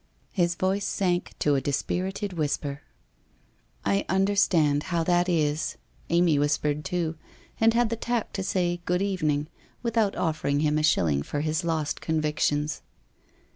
His voice sank to a dispirited whisper. 287 888 WHITE ROSE OF WEARY LEAF ' I understand how that is !' Amy whispered too, and had the tact to say good evening, without offering him a shilling for his lost Convictions.